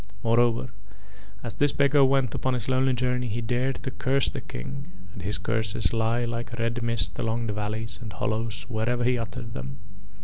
"Moreover, as this beggar went upon his lonely journey he dared to curse the King, and his curses lie like a red mist along the valleys and hollows wherever he uttered them.